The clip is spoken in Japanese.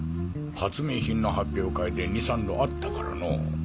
発明品の発表会で２３度会ったからのぉ。